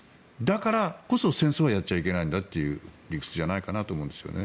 だからこそ戦争はやっちゃいけないということじゃないかと思うんですよね。